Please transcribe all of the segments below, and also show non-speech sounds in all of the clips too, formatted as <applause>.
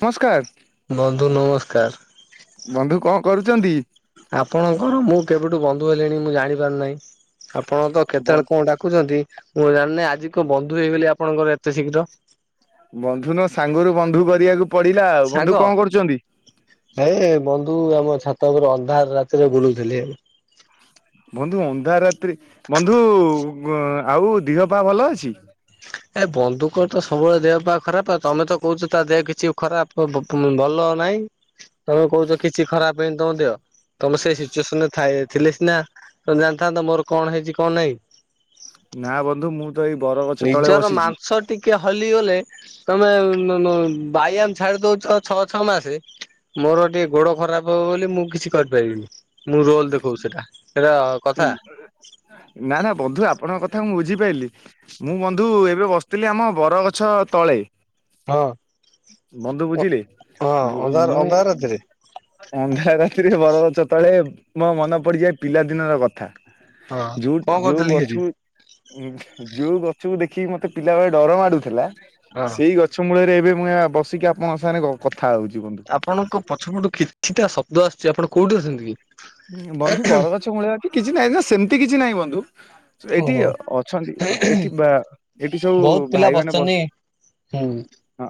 ନମସ୍କାର। ବନ୍ଧୁ ନମସ୍କାର। ବନ୍ଧୁ କଣ କରୁଛନ୍ତି? ଆପଣଙ୍କର ମୁଁ କେବେଠୁ ବନ୍ଧୁ ହେଲିଣି ମୁଁ ଜାଣି ପାରୁନାହିଁ। ଆପଣ ତ କେତେବେଳେ କଣ ଡାକୁଛନ୍ତି ମୁଁ ଜାଣି ନାହିଁ ଆଜି କଣ ବନ୍ଧୁ ହେଇଗଲି ଆପଣଙ୍କର ଏତେ ଶୀଘ୍ର? ବନ୍ଧୁ ନୁହଁ ସାଙ୍ଗରୁ ବନ୍ଧୁ କରିବାକୁ ପଡିଲା ଆଉ ସାଙ୍ଗ ବନ୍ଧୁ କଣ କରୁଛନ୍ତି? ଏ ବନ୍ଧୁ ଆମ ଛାତଉପରେ ଅନ୍ଧାର ରାତିରେ ବୁଲୁଥିଲି। ବନ୍ଧୁ ଅନ୍ଧାରାତ୍ରି ବନ୍ଧୁ ଆଉ ଦିହ ପା ଭଲ ଅଛି? ଏ ବନ୍ଧୁଙ୍କର ତ ସବୁବେଳେ ଦେହ ପା ଖରାପ ଆ ତମେ ତ କହୁଛ ତା ଦେହ କିଛି ଖରାପ ପ ପ ପମ ଭଲ ନାଇଁ ତମେ କହୁଛ କିଛି ଖରାପ ହେହିନି ତମ ଦେହ। ତମେ ସେଇ ସିଚୁଏସନ ଥାଏ ଥିଲେ ସିନା ତମେ ଜାଣିଥାନ୍ତ ମୋର କଣ ହେଇଛି କଣ ନାହିଁ। ନା ବନ୍ଧୁ ମୁଁ ତ ଏଇ ବର ଗଛ ତଳେ ନିଜର ବସିଛି। ମାଂସ ଟିକେ ହଲିଗଲେ ତମେ ବାଇଆମ ଛାଡି ଦଉଛ ଛଅ ଛଅ ମାସେ। ମୋର ଟିକେ ଗୋଡ ଖରାପ ହବ ବୋଲି ମୁଁ କିଛି କରିପାରିବିନି। ମୁଁ ରୋଲ ଦେଖଉଛି ସେଟା ସେଟା କଥା। ନା ନା ବନ୍ଧୁ ଆପଣଙ୍କ କଥା ମୁଁ ବୁଝିପାରିଲିି। ମୁଁ ବନ୍ଧୁ ଏବେ ବସିଥିଲି ଆମ ବରଗଛ ତଳେ। ହଁ ବନ୍ଧୁ ବୁଝିଲି ହଁ ଅନ୍ଧାର ମୁଁ। ଅନ୍ଧାର ରାତିରେ। ଅନ୍ଧାରରାତିରେ ବର ଗଛ ତଳେ ମୋ ମନେ ପଡିଯାଏ ପିଲାଦିନ ର କଥା। ହଁ ଜୁଟ କଣ ଯୋଉ କରୁଥିଲି ସେଠି ଗଛୁ ଯୋଉ ଗଛକୁ ଦେଖିକି ମତେ ପିଲାବେଳେ ଡର ମାଡୁଥିଲା ହଁ। ସେଇ ଗ ଛ ମୂଳରେ ଏବେ ମୁଁ ଏହା ବସିକି ଆପଣଙ୍କ ସାଙ୍ଗରେ କ କଥା ହଉଛି ବନ୍ଧୁ। ଆପଣଙ୍କ ପଛପଟୁ କିଛିଟା ଶବ୍ଦ ଆସୁଛି ଆପଣ କୋଉଠି ଅଛନ୍ତି କି? ବନ୍ଧୁ ବରଗଛ ମୂଳେ ଅଛି କିଛି ନାହିଁ ତ ସେମିତି କିଛି ନାହିଁ ବନ୍ଧୁ। ଏଠି ଓହୋ। ଅଛନ୍ତି ଏଠି ବା ଏଠି ସବୁ ବହୁତ ପିଲା ଭାଇ ମାନେ ବସିଛନ୍ତି ବସ ହୁଁ। ହଁ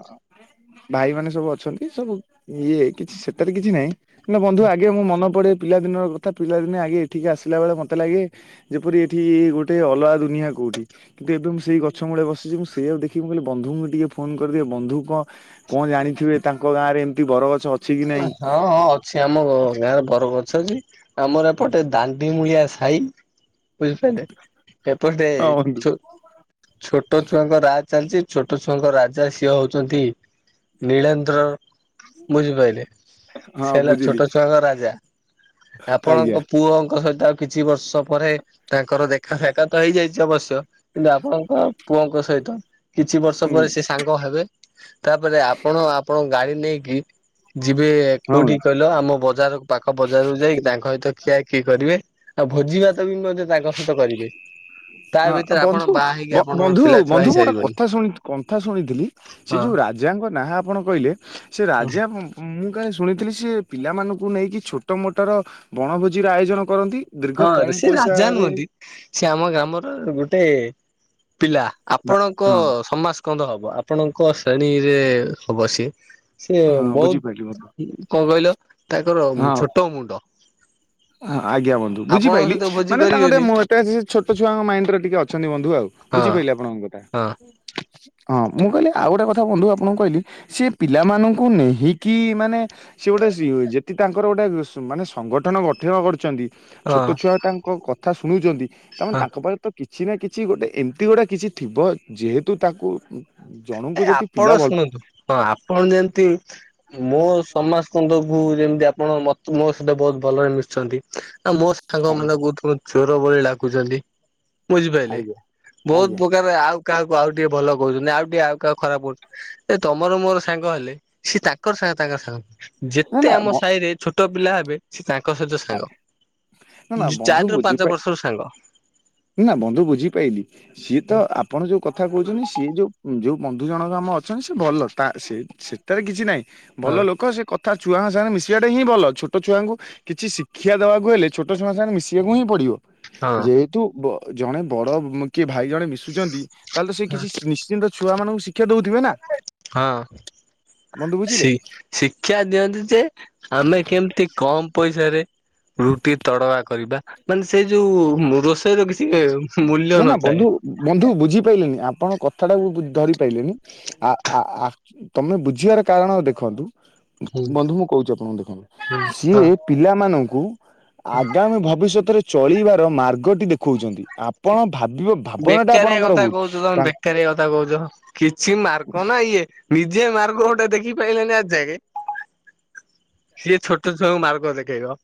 ଭାଇ ମାନେ ସବୁ ଅଛନ୍ତି ସବୁ ଇଏ କିଛି ସେଥିରେ କିଛି ନାହିଁ। ନା ବନ୍ଧୁ ଆଗେ ମୁଁ ମନ ପଡେ ପିଲାଦିନର କଥା। ପିଲାଦିନେ ଆଗେ ଏଠିକି ଆସିଲା ବେଳେ ମତେ ଲାଗେ ଯେପରି ଏଠି ଗୋଟେ ଅଲଗା ଦୁନିଆ କୋଉଠି। କିନ୍ତୁ ଏବେ ମୁଁ ସେଇ ଗଛ ମୂଳେ ବସିଛି। ମୁଁ ସେଇଆକୁ ଦେଖିକି ମୁଁ କହିଲି ବନ୍ଧୁଙ୍କୁ ଟିକେ ଫୋନ କରିଦିଏ ବନ୍ଧୁ କଣ କଣ ଜାଣିଥିବେ ତାଙ୍କ ଗାଁରେ ଏମିତି ବରଗ ହଁ ହଁ। ସେ ଆମ ଗାଁର ବରଗଛ ଯେ ଆମର ଏପଟେ ଦାଣ୍ଡି ମୂଳିଆ ସାହି ବୁଝି ପାରିଲେ ଏପଟେ ହଁ ବନ୍ଧୁ। ଛୋ ଛୋଟ ଛୁଆଙ୍କ ରାଜ ଚାଲିଛି ଛୋଟ ଛୁଆଙ୍କ ରାଜା ସିଏ ହଉଛନ୍ତି ନୀଳେନ୍ଦ୍ର। <unintelligible> ବୁଝିପାରିଲେ ହଁ ସେ ହେଲା ବୁଝିଲି ଛୋଟ ଛୁଆଙ୍କ ରାଜା। ଆଜ୍ଞା ଆପଣଙ୍କ ପୁଅଙ୍କ ସହିତ ଆଉ କିଛି ବର୍ଷ ପରେ, ତାଙ୍କର ଦେଖା ସାକ୍ଷାତ ହେଇଯାଇଛି ଅବଶ୍ୟ। କିନ୍ତୁ ଆପଣଙ୍କ ପୁଅଙ୍କ ସହିତ। କିଛି ବର୍ଷ ହୁଁ ପରେ ସେ ସାଙ୍ଗ ହେବେ। ତାପରେ ଆପଣ ଆପଣଙ୍କ ଗାଡି ନେଇକି ଯିବେ ହଁ କୋଉଠି ହଁ କହିଲ, ଆମ ବଜାର ପାଖ ବଜାରକୁ ଯାଇକି ତାଙ୍କ ସହିତ ଖୀଆ ଖୀଇ କରିବେ। ଆଉ ଭୋଜି ଭାତ ବି ମଧ୍ୟ ତାଙ୍କ ସହିତ କରିବେ। ତା ହଁ ଭିତରେ ଆପଣ ବନ୍ଧୁ ବାହା ହେଇକି ଆପଣଙ୍କର ବନ୍ଧୁ ପିଲା ଛୁଆ ବନ୍ଧୁ ମୁଁ ଗୋଟେ ହେଇସାରିବଣି କଥା ଶୁଣି କନ୍ଥା ଶୁଣିଥିଲି। ସେ ହଁ। ଯୋଉ ରାଜାଙ୍କ ନାଁ ଆପଣ କହିଲେ ସେ ରାଜା ମୁଁ କାହିଁ ଶୁଣିଥିଲି ସେ ପିଲାମାନଙ୍କୁ ନେଇକି ଛୋଟ ମୋଟର ବଣଭୋଜିର ଆୟୋଜନ କରନ୍ତି। ଦୀର୍ଘ ହଁ କମ ସେ ରାଜା ପଇସାରେ ନୁହନ୍ତି। ସେ ଆମ ଗ୍ରାମର ଗୋଟେ ପିଲା। ବା ଆପଣଙ୍କ ହଁ ସମାଜ କନ୍ଦ ହବ ଆପଣଙ୍କ ଶ୍ରେଣୀରେ ହବ ସିଏ। ସେ ହଁ ବୁଝିପାରିଲି ବହୁତ ବନ୍ଧୁ କଣ କହିଲ ତାଙ୍କର ଛୋଟ ମୁଣ୍ଡ। ହଁ ଆଜ୍ଞା ବନ୍ଧୁ ଆପଣଙ୍କ ବୁଝିପାଇଲି ସହିତ ଭୋଜି ମାନେ ତାଙ୍କେ କରିବେନି ଟିକେ ଛୋଟ ଛୁଆଙ୍କ ମାଇଣ୍ଡ ରେ ଟିକେ ଅଛନ୍ତି ବନ୍ଧୁ ଆଉ। ହଁ ବୁଝିପାଇଲେ ଆପଣଙ୍କ କଥା। ହଁ। ହଁ ମୁଁ କହିଲି ଆଉ ଗୋଟେ କଥା ବନ୍ଧୁ ଆପଣଙ୍କୁ କହିଲି ସେ ପିଲାମାନଙ୍କୁ ନେହିକି ମାନେ ସିଏ ଗୋଟେ ସିଓଜ ଯଦି ତାଙ୍କର ଗୋଟେ ମାନେ ସଂଗଠନ ଗ ଥିଓ କରିଛନ୍ତି ଛୋଟ ହଁ ଛୁଆ ତାଙ୍କ କଥା ଶୁଣୁଛନ୍ତି। ତାମାନେ ହଁ ତାଙ୍କ ପାଇଁ ତ କିଛି ନା କିଛି ଗୋଟେ ଏମିତି ଗୁଟା କିଛି ଥିବ ଯେହେତୁ ତାକୁ ଏ ଜଣଙ୍କୁ ଯଦି ଆପଣ ପିଲା ଭଲ ଶୁଣନ୍ତୁ ହଁ ଆପଣ ଯେମିତି ମୋ ସମାସକନ୍ଦକୁ ଯେମିତି ଆପଣ ମ ମୋ ସହିତ ବହୁତ ଭଲରେ ମିଶୁଛନ୍ତି। ନା ମୋ ସାଙ୍ଗ ଆଜ୍ଞା ମାନେ ଗୌତମ ଚୋର ବୋଲି ଡାକୁଛନ୍ତି। ବୁଝିପାଇଲେ ଆଜ୍ଞା ବହୁତ ଆଜ୍ଞା ପ୍ରକାର ଆଉ କାହାକୁ ଆଉ ଟିକେ ଭଲ କହୁଛନ୍ତି ଆଉ ଟିକେ ଆଉ କାହାକୁ ଖରାପ କହୁଛନ୍ତି ଏ ତମର ମୋର ସାଙ୍ଗ ହେଲେ ସିଏ ତାଙ୍କର ତାଙ୍କ ସାଙ୍ଗ। ନା ଯେତେ ନା ଆମ ବ ସାହିରେ ଛୋଟ ପିଲା ହେବେ। ସେ ତାଙ୍କ ସହିତ ସାଙ୍ଗ ନା ନା ବନ୍ଧୁ ଚାରି ରୁ ବୁଝିପାର ପାଞ୍ଚ ବର୍ଷରୁ ସାଙ୍ଗ। ନା ବନ୍ଧୁ ବୁଝିପାଇଲି। ସିଏ ତ ଆପଣ ଯୋଉ କଥା କହୁଛନ୍ତି ସିଏ ଯୋଉ ଯୋଉ ବନ୍ଧୁ ଜଣକ ଆମ ଅଛନ୍ତି ସେ ଭଲ ତା ସେ। ସେଟାରେ କିଛି ନାହିଁ ଭଲ ହଁ ଲୋକ ସେ କଥା ଛୁଆଙ୍କ ସାଙ୍ଗେ ମିଶିବାଟା ହିଁ ଭଲ। ଛୋଟ ଛୁଆଙ୍କୁ କିଛି ଶିକ୍ଷା ଦବାକୁ ହେଲେ ଛୋଟ ଛୁଆ ଙ୍କ ସହ ମିଶିବାକୁ ହିଁ ପଡିବ। ହଁ ଯେହେତୁ ବ ଜଣେ ବର କିଏ ଭାଇ ଜଣେ ମିଶୁଛନ୍ତି ତାହେଲେ ସେ କିଛି ନିଶ୍ଚିନ୍ତ ଛୁଆ ମାନଙ୍କୁ ଶି ଶିକ୍ଷା ଦଉଥିବେ ନା ହଁ ବନ୍ଧୁ ବୁଝିଲେ। ସି ଶିକ୍ଷା ଦିଅନ୍ତି ଯେ ଆମେ କେମିତି କମ ପଇସାରେ ରୁଟି ତଡକା କରିବା ମାନେ ସେ ଯୋଉ ରୋଷେଇର କିଛି ମୂଲ୍ୟ ନା ନା ନଥାଏ। ବନ୍ଧୁ ବନ୍ଧୁ ବୁଝିପାଇଲେନି ଆପଣ କଥାଟାକୁ ଧରି ପାଇଲେନି। ଆ ଆ ତମେ ବୁଝିବାର କାରଣ ଦେଖନ୍ତୁ। ହୁଁ ବନ୍ଧୁ ମୁଁ କହୁଛି ଆପଣଙ୍କୁ ହୁଁ ଦେଖନ୍ତୁ ହଁ। ସିଏ ପିଲାମାନଙ୍କୁ ଆଗାମୀ ଭବିଷ୍ୟତରେ ଚଳିବାର ମାର୍ଗଟି ଦେଖଉଛନ୍ତି। ଆପଣ ଭାବିବାକୁ ବେକାରିଆ କଥା କହୁଛ ତମେ ବେକାରିଆ କଥା କହୁଛ କିଛି ମାର୍ଗ ନା ଇଏ। ନିଜେ ମାର୍ଗ ଗୋଟେ ଦେଖି ପାଇଲେନି ଆଜି ଯାକେ। ସିଏ ଛୋଟ ଛୁଆଙ୍କୁ ମାର୍ଗ ଦେଖେଇବ।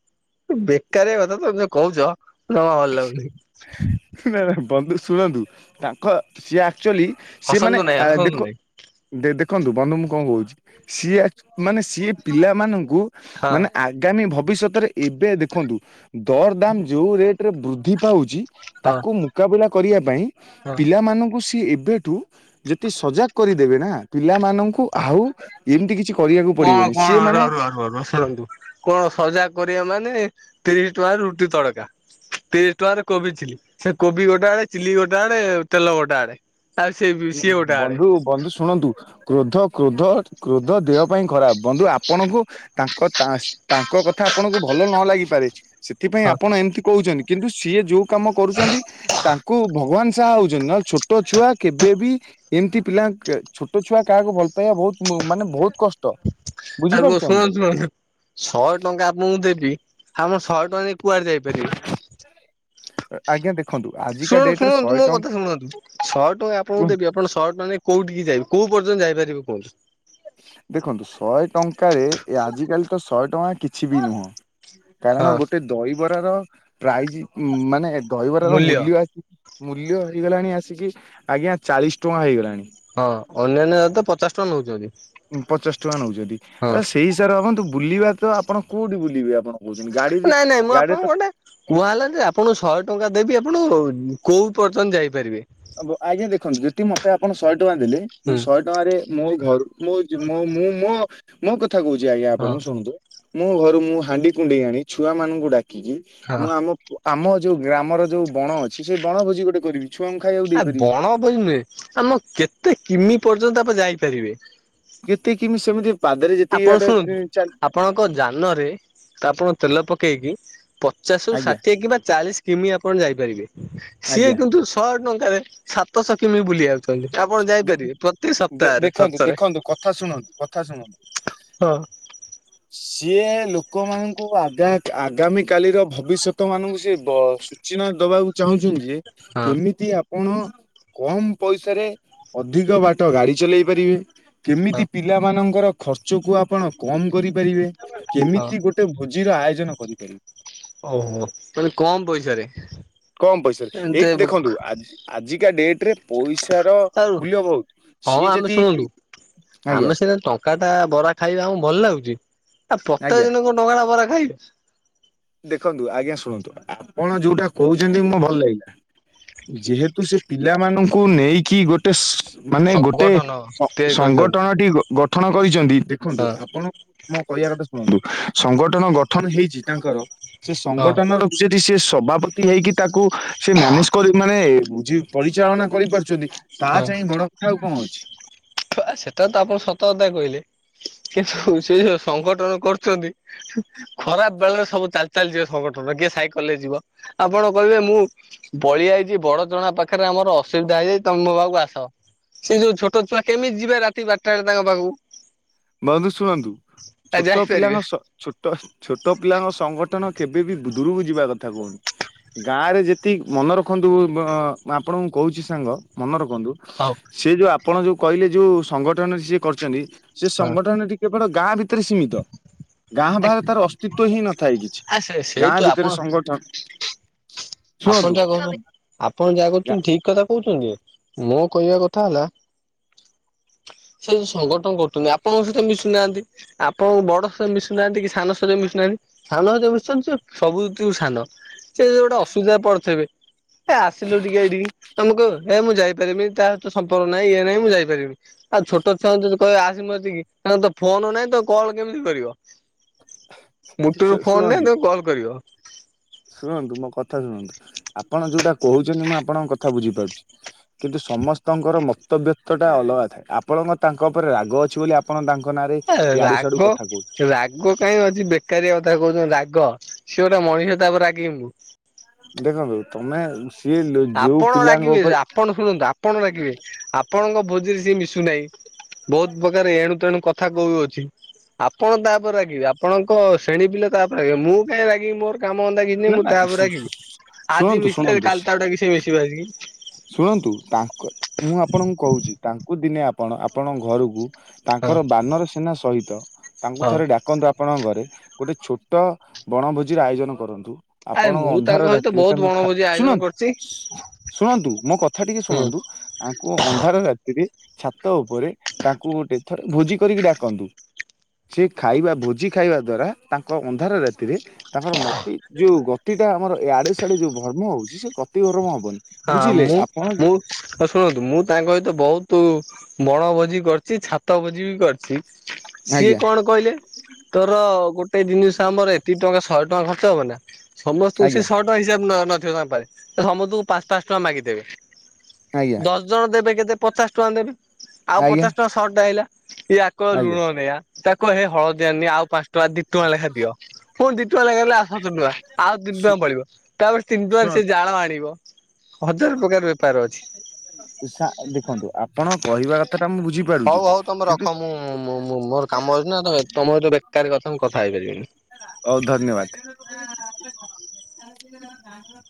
ବେକାରିଆ କଥା ତମେ ଯୋଉ କହୁଛ ଜମା ଭଲ ଲାଗୁନି। ନା ନା ବନ୍ଧୁ ଶୁଣନ୍ତୁ ତାଙ୍କ ସିଏ ଆକ୍ଚୁଆଲି ସିଏ ହସନ୍ତୁ ମାନେ ନାଇଁ ହସନ୍ତୁ ଦେଖ। ନାଇଁ ଦେ ଦେ ଦେଖନ୍ତୁ ବନ୍ଧୁ ମୁଁ କଣ କହୁଛି ସିଏ ମାନେ ସିଏ ପିଲାମାନଙ୍କୁ ହଁ ମାନେ ଆଗାମୀ ଭବିଷ୍ୟତରେ ଏବେ ଦେଖନ୍ତୁ। ଦର ଦାମ ଯେଉଁ ରେଟରେ ବୃଦ୍ଧି ପାଉଛି ହଁ ତାକୁ ମୁକାବିଲା କରିବା ପାଇଁ। ହଁ ପିଲାମାନଙ୍କୁ ସିଏ ଏବେଠୁ ଯେତେ ସଜାକ କରିଦେବେ ନା ପିଲାମାନଙ୍କୁ ଆଉ ଏମିତି କିଛି କରିବାକୁ ପଡିବନି ସିଏ ମାନେ। ହଁ ରସାଲନ୍ତୁ। କଣ ସଜାଗ କରିବା ମାନେ ତିରିଶି ଟଙ୍କାରେ ରୁଟି ତଡକା। ତିରିଶି ଟଙ୍କାରେ କୋବି ଚିଲି ସେ କୋବି ଗୋଟେ ଆଡେ ଚିଲି ଗୋଟେ ଆଣେ ତେଲ ଗୋଟେ ଆଡେ। ଆଉ ସେ ବି। ବନ୍ଧୁ ବନ୍ଧୁ ଶୁଣନ୍ତୁ କ୍ରୋଧ କ୍ରୋଧ। କ୍ରୋଧ ଦେହ ପାଇଁ ଖରାପ ବନ୍ଧୁ ଆପଣଙ୍କୁ। ତାଙ୍କ ତାସ ତାଙ୍କ କଥା ଆପଣଙ୍କୁ ଭଲ ନ ଲାଗିପାରେ ସେଥିପାଇଁ ହଁ ଆପଣ ଏମିତି କହୁଛନ୍ତି। କିନ୍ତୁ ସିଏ ଯୋଉ କାମ କରୁଛନ୍ତି ତାଙ୍କୁ ଭଗବାନ ଶାହା ହଉଛନ୍ତି ନହେଲେ ଛୋଟ ଛୁଆ କେବେବି ଏମିତି ପିଲା ଛୋଟ ଛୁଆ କାହାକୁ ଭଲ ପାଇବା ବହୁତ ମାନେ ବହୁତ କଷ୍ଟ। ଆଗୋ ବୁଝିପାରୁଛନ୍ତି ତ ଶୁଣନ୍ତୁ ଶୁଣନ୍ତୁ। ଶହେ ଟଙ୍କା ଆପଣଙ୍କୁ ଦେବି ଆପଣ ଶହେ ଟଙ୍କା ନେଇ କୁଆଡେ ଯାଇପାରିବେ। ଆଜ୍ଞା ଦେଖନ୍ତୁ ଆଜିକା ଶୁଣନ୍ତୁ ଡେଟ ରେ ଶୁଣନ୍ତୁ ଶହେ ମୋ ଟଙ୍କା କଥା ଶୁଣନ୍ତୁ ଶହେ ଟଙ୍କା ଆପଣଙ୍କୁ ଦେବି ଆପଣ ଶହ ଟଙ୍କା ନେଇ କୋଉଠିକି ଯାଇ କୋଉ ପର୍ଯ୍ୟନ୍ତ ଯାଇପାରିବେ କୁହନ୍ତୁ। ଦେଖନ୍ତୁ ଶହେ ଟଙ୍କାରେ ଏ ଆଜିକାଲି ତ ଶହେ ଟଙ୍କା କିଛି କିଛି ବି ନୁହଁ କାରଣ ହଁ ଗୋଟେ ଦହିବରାର ପ୍ରାଇଜ ମାନେ ଦହିବରାର ମୂଲ୍ୟ ଆସି ମୂଲ୍ୟ ହେଇଗଲାଣି ଆସିକି ଆଜ୍ଞା ଚାଳିଶ ଟଙ୍କା ହେଇଗଲାଣି। ହଁ ଅନ୍ୟାନ୍ୟ ତ ପଚାଶ ଟଙ୍କା ନେଉଛନ୍ତି। ପଚାଶ ଟଙ୍କା ନେଉଛନ୍ତି ତା ସେଇ ହିସାବରେ ଭାବନ୍ତୁ ବୁଲିବା ତ ଆପଣ କୋଉଠି ବୁଲିବେ ଆପଣ କହୁଛନ୍ତି ଗାଡି ବି ଗାଡିରେ ତ କୁହା ହେଲା ଯେ ଆପଣଙ୍କୁ ଶହେ ଟଙ୍କା ଦେବି ଆପଣ କୋଉ ପର୍ଯ୍ୟନ୍ତ ଯାଇପାରିବେ। ହ ଆଜ୍ଞା ଦେଖନ୍ତୁ ଯଦି ମତେ ଆପଣ ଶହେ ଟଙ୍କା ଦେଲେ ମୁଁ ହୁଁ ଶହେ ଟଙ୍କା ମୋ ଘ ମୁଁ ମୋ ମୋ କଥା କହୁଛି ଆଜ୍ଞା ହଁ ଆପଣଙ୍କୁ ଶୁଣନ୍ତୁ। ମୁ ମୋ ଘରୁ ମୁଁ ହାଣ୍ଡି କୁଣ୍ଡେଇ ଆଣି ଛୁଆ ମାନଙ୍କୁ ଡାକିକି ହଁ ମୁଁ ଆମ ଆମ ଯୋଉ ଗ୍ରାମର ଯୋଉ ବଣ ଅଛି ସେଇ ବଣ ଭୋଜି ଗୋଟେ କରିବି ଛୁଆଙ୍କୁ ଖାଇବାକୁ ଆ ଦେଇପାରିବି। ବଣ ବୋଝି ନୁହେଁ ଆମ କେତେ କିମି ପର୍ଯ୍ୟନ୍ତ ଆପ ଯାଇପାରିବେ? କେତେକମି ସେମିତି ଆପଣ ଶୁଣନ୍ତୁ ଏତିକିବାଟ। ଆପଣଙ୍କ ଯାନରେ ତା ଆପଣ ତେଲ ପକେଇକି ପଚାଶ ରୁ ଆଜ୍ଞା ଷାଠିଏ କିମ୍ବା ଚାଳିଶ କିମି ଆପଣ ଯାଇପାରିବେ ସିଏ ଆଜ୍ଞା। କିନ୍ତୁ ଶହେ ଟଙ୍କାରେ ସାତଶହ କିମି ବୁଲିବାକୁ ଆପଣ ଦେ ଯାଇପାରିବେ ପ୍ରତି ଦେ ସପ୍ତାହରେ ଦେଖନ୍ତୁ ଥରେ ଥରେ ଦେଖନ୍ତୁ କଥା ଶୁଣନ୍ତୁ? କଥା ଶୁଣ? ହଁ ସିଏ ଲୋକମାନଙ୍କୁ ଆଗ ଆଗାମୀ କାଲିର ଭବିଷ୍ୟତ ମାନଙ୍କୁ ସିଏ ସୂଚନା ଦବାକୁ ଚାହୁଁଛନ୍ତି ଯେ ହଁ କେମିତି ଆପଣ କମ ପଇସାରେ ଅଧିକ ବାଟ ଗାଡି ଚଲେଇ ପାରିବେ ହଁ କେମିତି ପିଲାମାନଙ୍କର ଖର୍ଚ୍ଚକୁ ଆପଣ କମ କରିପାରିବେ ହଁ। କେମିତି ଗୋଟେ ଭୋଜିର ଆୟୋଜନ କରିପାରିବେ। ଓହୋ ତାହଲେ କମ ପଇସାରେ। କମ ପଇସାରେ ଏମତି ଏଇଠି ଦେଖନ୍ତୁ ଆଜି ଆଜିକା ଡେଟ ରେ ପଇସା ତାର ଆଉ ମୂଲ୍ୟ ବହୁତ ହଁ ସିଏ ଆମେ ଯଦି ଶୁଣନ୍ତୁ ଆଜ୍ଞା ଆମେ ସିନା ଟଙ୍କା ଟା ବରା ଖାଇବା ଆମ ଭଲ ଲାଗୁଛି ଆ ପ୍ରତ୍ୟେକ ଆଜ୍ଞା ଦିନ କଣ ଟଙ୍କା ଟା ବରା ଖାଇବି। ଦେଖନ୍ତୁ ଆଜ୍ଞା ଶୁଣନ୍ତୁ ଆପଣ ଯୋଉଟା କହୁଛନ୍ତି ମୋ ଭଲ ଲାଗି। ଯେହେତୁ ସେ ପିଲାମାନଙ୍କୁ ନେଇକି ଗୋ ଗୋଟେ ମାନେ ଗୋଟେ ସଂଗଠନ ତିଆରି କରିଛନ୍ତି ସଂଗଠନଟି ଗଠନ କରିଚନ୍ତି। ଦେଖନ୍ତୁ ହଁ ଆପଣ ମୋ କହିବା କଥା ଶୁଣନ୍ତୁ ସଂଗଠନ ଗଠନ ହେଇଛି ତାଙ୍କର। ସେ ହଁ ସଂଗଠନ ର ସେଠି ସେ ସଭାପତି ହେଇକି ତାକୁ ସେ ମ୍ୟାନେଜ କରି ମାନେ ପରିଚାଳନା କରିପାରୁଛନ୍ତି ତା ଚାହିଁ ବଡ କଥା ଆଉ କଣ ଅଛି। ସେଟା ତ ଆପଣ ସତକତା କହିଲେ କିନ୍ତୁ ସେ ଯୋଉ ସଂଗଠନ କରୁଛନ୍ତି। ଖରାପ ବେଳରେ ସବୁ ଚାଲି ଚାଲିଯିବ ସଂଗଠନ କିଏ ସାଇକେଲରେ ଯିବ ଆପଣ କହିବେ ମୁଁ ବଳିଆଇଛି ବଡ ଚଣା ପାଖରେ ଆମର ଅସୁବିଧା ହେଇଯାଇଛି ତମ ମୋ ପାକୁ ଆସ ସେ ଯୋଉ ଛୋଟ ଛୁଆ କେମିତି ଯିବେ ରାତି ବାରଟା ବେଳେ ତାଙ୍କ ପାଖକୁ। ବନ୍ଧୁ ଶୁଣନ୍ତୁ ଆ ଛୋଟ ଯାଇପାରିବେ। ପିଲାଙ୍କ ଛୋଟ ଛୋଟ ପିଲାଙ୍କ ସଂଗଠନ କେବେ ବି ଦୂରକୁ ଯିବା କଥା କହୁନି ଗାଁ ରେ ଯେତେ ଏତି ମନେ ରଖନ୍ତୁ ଆପଣଙ୍କୁ କହୁଛି ସାଙ୍ଗ ମନେ ରଖନ୍ତୁ। ହଉ। ସେ ଯୋଉ ଆପଣ ଯୋଉ କହିଲେ ଯୋଉ ସଂଗଠନ ସିଏ କରିଛନ୍ତି ସେ ହଁ ସଂଗଠନଟି କେବଳ ଗାଁ ଭିତରେ ସୀମିତ ଗାଁ ବାହାରେ ତାର ଅ ଅସ୍ତିତ୍ଵ ହିଁ ନଥାଏ କିଛି ଆ ସେ ସେଇଠୁ ଗାଁ ଆପଣ ଭିତରେ ସଂଗଠନ ଆପଣ ଶୁଣନ୍ତୁ ଯାହା କହୁ ଆପଣ ଯାହା କରୁଛନ୍ତି ଠିକ କଥା କହୁଛନ୍ତି ମୋ କହିବା କଥା ହେଲା ସେ ଯୋଉ ସଂଗଠନ କରୁଛନ୍ତି ଆପଣଙ୍କ ସହିତ ମିଶୁନାହାନ୍ତି। ଆପଣ ବଡ ସ ମିଶୁନାହାନ୍ତି କି ସାନ ଶତ ମିଶୁନାହାନ୍ତି ସାନ ଶତ ମିଶୁଛନ୍ତି ସବୁୁଠୁ ସାନ। ସେ ଯ ଗୋଟେ ଅସୁବିଧା ପଡଥିବେ। ଏ ଆସିଲୁ ଟିକେ ଏଇଠିକି ତମକୁ ହେ ମୁଁ ଯାଇପାରି ମିନି ତା ତ ସମ୍ପର୍କ ନାହିଁ ଇଏ ନାହିଁ ମୁଁ ଯାଇପାରିବିନି ଆଉ ଛୋଟ ଛୁଆ ଙ୍କୁ ଯଦି କହିବା ଆସ ମୋକତିକି ତାଙ୍କ ଫୋନ ନାଇଁ ତ କଲ କେମିତି କରିବ। ମୁଟୁରୁ ଫୋନ ଶୁଣନ୍ତୁ ନାହିଁ ତାକୁ କଲ୍ କରିବ। ଶୁଣନ୍ତୁ ମୋ କଥା ଶୁଣନ୍ତୁ ଆପଣ ଯୋଉଟା କହୁଛନ୍ତି ମୁଁ ଆପଣଙ୍କ କଥା ବୁଝିପାରୁଛି। କିନ୍ତୁ ସମସ୍ତଙ୍କର ମତବ୍ୟତ ଟା ଅଲଗା ଥାଏ ଆପଣଙ୍କ ତାଙ୍କ ଉପରେ ରାଗ ଅଛି ବୋଲି ଆପ୍ ଆପଣ ତାଙ୍କ ନାଁରେ ଇୟାଡୁ ସିଆଡୁ କଥା କହୁଛ କୁ କାହିଁ ଅଛି ବେକାରିଆ କଥା କହୁଛନ୍ତି ରାଗ ସିଏ ଗୋଟେ ମଣିଷ ତାପରେ ରାଗିବି ମୁଁ। ଦେଖନ୍ତୁ ତମେ ଆଉସେ ଆପଣ ରାଗିବେ ସେ ଆପଣ ଶୁଣନ୍ତୁ ଆପଣ ରାଗିବେ ଆପ୍ ଆପଣଙ୍କ ଭୋଜିରେ ସିଏ ମିଶୁ ନେଇଁବହୁତ ପ୍ରକାର ଏଣୁ ତେଣୁ କଥା କହୁଅଛି। ଆପଣ ତାଉପରେ ରାଗିବେ ଆପଣଙ୍କ ଶ୍ରେଣୀ ପିଲା ତାଉପରେ ରାଗିବେ ମୁଁ କାଇଁ କି ରାଗିବି ମୋର କାମ ଧନ୍ଦା କିଛି ନାହିଁ ନା ମୁଁ ନା ତାଉପରେ ରାଗିବି ଆଜି ଶୁଣନ୍ତୁ ମିଶିଲେ ଶୁଣନ୍ତୁ କାଲି ତାକୁ ଡାକିବି ସେ ମିଶିବ ଆସିକି। ଶୁଣନ୍ତୁ ତାଙ୍କ ମୁଁ ଆପଣଙ୍କୁ କହୁଛି ତାଙ୍କୁ ଦିନେ ଆପଣ ଆପଣଙ୍କ ଘରକୁ ହଁ ତାଙ୍କର ବାନର ସେନା ସହିତ ତାଙ୍କୁ ହଁ। ଥରେ ଡାକନ୍ତୁ ଆପ୍ ଆପଣଙ୍କ ଘରେ ଗୋଟେ ଛୋଟ ବଣଭୋଜିର ଆୟୋଜନ କରନ୍ତୁ। ଆରେ ଆପଣଙ୍କ ମୁଁ ତାଙ୍କ ଅନ୍ଧାର ସହିତ ରାତିରେ ବହୁତ ତା ଙ୍କୁ ଖା ବଣଭୋଜି ଆୟୋଜନ ଶୁଣନ୍ତୁ କରିଛି ଶୁ ଣନ୍ତୁ ମୋ କଥା ଟିକେ ହୁଁ ଶୁଣନ୍ତୁ। ତାଙ୍କୁ ଅନ୍ଧାର ରାତିରେ ଛାତ ଉପରେ ତାଙ୍କୁ ଗୋଟେ ଥରେ ଭୋଜି କରିକି ଡାକନ୍ତୁ। ସେ ଖାଇବା ଭୋଜି ଖାଇବା ଦ୍ଵାରା ତାଙ୍କ ଅନ୍ଧାର ରାତିରେ ତାଙ୍କର ମତି ଯୋଉ ଗତି ଟା ଆମର ଆଡେ ସଡେ ଯୋଉ ଭର୍ମ ହଉଛି ସେ ଗତି ଭର୍ମ ହବନି। ବୁଝିଲେ ମୁଁ ଆପଣ ମୁଁ ହଁ ଶୁଣନ୍ତୁ ମୁଁ ତାଙ୍କ ସହିତ ବହୁତ ବଣଭୋଜି କରିଚି ଛାତ ଭୋଜି ବି କରିଚି। ସିଏ ଆଜ୍ଞା କଣ କହିଲେ ତୋର ଗୋଟେ ଜିନିଷ ଆମର ଏତିକ ଟଙ୍କା ଶହେ ଟଙ୍କା ଖର୍ଚ୍ଚ ହବନା। ସମସ୍ତଙ୍କୁ ସେ ଆଜ୍ଞା ଶହ ଟଙ୍କା ହିସାବରେ ନନଥିବ ତାଙ୍କପାଖରେ ସମସ୍ତଙ୍କୁ ପାଞ୍ଚ ପାଞ୍ଚ ଟଙ୍କା ମାଗିଦେବେ। ଆଜ୍ଞା ଦଶ ଜଣ ଦେବେ କେତେ ପଚାଶ ଟଙ୍କା ଦେବେ ଆଉ ଆଜ୍ଞା ପଚାଶ ଟଙ୍କା ସଟ ଟା ଆଇଲା ୟା କହିବେ ଆଜ୍ଞା ଲୁଣ ନେଇଆ ତାକୁ କହିବେ ହେ ହଳଦି ଆଣିନି ଆଉ ପାଞ୍ଚ ଟଙ୍କା ଦି ଟଙ୍କା ଲେଖା ଦିଅ। ପୁଣି ଦିଟଙ୍କା ଲେଖାଏଁ ହେଲେ ଆଠଶ ଟଙ୍କା ଆଉ ତିନି ଶୁ ଟଙ୍କା ବଳିବ ତାପରେ ତିନି ଟଙ୍କାରେ ସେ ଶୁଣନ୍ତୁ ଜାଳ ଆଣିବ। ହଜାର ପ୍ରକାର ବେପାର ଅଛି। ଉ ସା ଦେଖନ୍ତୁ ଆପଣ କହିବା କଥା ଟା ମୁଁ ବଝିପାର ହଉ ହଉ ତମେ ରଖ ମୁଁ ମୁଁ ମୁଁ ମୁଁ ମୋର କାମ ଅଛି ନା ତମେ ଏତେ ତମ ସହ ବେକାରୀ କଥା ମୁଁ କଥା ହେଇପାରିବିନି। ହଉ ଧନ୍ୟବାଦ।